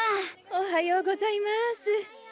おはようございます。